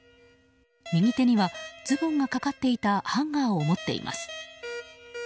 右手にはズボンがかかっていたハンガーを持っています。